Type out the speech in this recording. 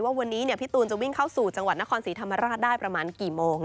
ว่าวันนี้พี่ตูนจะวิ่งเข้าสู่จังหวัดนครศรีธรรมราชได้ประมาณกี่โมง